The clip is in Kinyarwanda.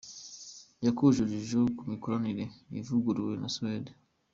Yakuye urujijo ku mikoranire ivuguruye na Suède.